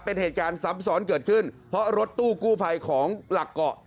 เป็นเหตุการณ์ซ้ำซ้อนเกิดขึ้นเพราะรถตู้กู้ภัยของหลักเกาะ